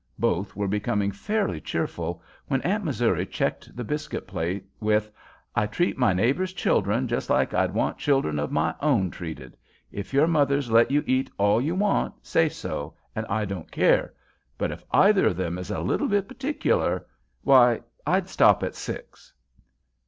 Both were becoming fairly cheerful, when Aunt Missouri checked the biscuit plate with: "I treat my neighbors' children just like I'd want children of my own treated. If your mothers let you eat all you want, say so, and I don't care; but if either of them is a little bit particular, why, I'd stop at six!"